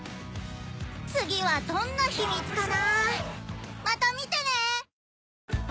次はどんなヒミツかな